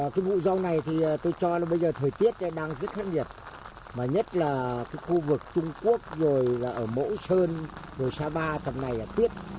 cái vụ rau này thì tôi cho là bây giờ thời tiết đang rất khắc nghiệt mà nhất là cái khu vực trung quốc rồi là ở mẫu sơn rồi sa ba tầng này là tuyết